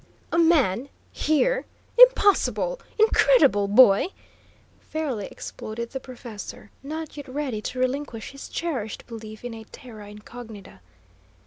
"A man? Here? Impossible, incredible, boy!" fairly exploded the professor, not yet ready to relinquish his cherished belief in a terra incognita.